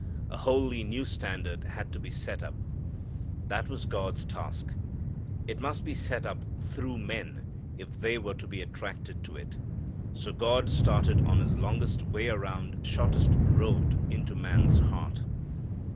A wholly new standard had to be set up. That was God's task. It must be set up through men if they were to be attracted to it. So God started on His longest way around shortest road into man's heart.